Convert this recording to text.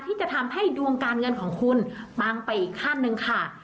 ที่จะทำให้ดวงการเงินของคุณปังไปอีกขั้นหนึ่งค่ะ